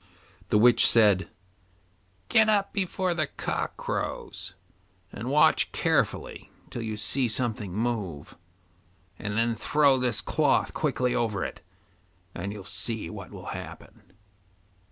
The witch said, 'Get up before the cock crows, and watch carefully till you see something move, and then throw this cloth quickly over it, and you'll see what will happen.